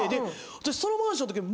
私そのマンションのとき。